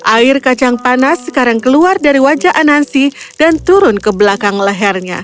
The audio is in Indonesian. air kacang panas sekarang keluar dari wajah anansi dan turun ke belakang lehernya